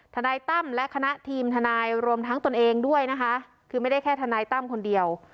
ทนายตั้มและคณะทีมทนายรวมทั้งตนเองด้วยนะคะคือไม่ได้แค่ทนายตั้มคนเดียว